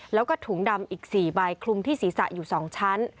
แล้วก็ถุงดำอีก๔ใบคลุมที่ศีรษะอยู่๒ชั้น